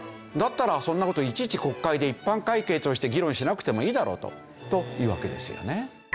だったらそんな事いちいち国会で一般会計として議論しなくてもいいだろうと。というわけですよね。